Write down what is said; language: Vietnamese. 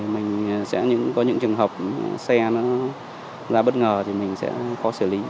mình sẽ có những trường hợp xe nó ra bất ngờ thì mình sẽ có xử lý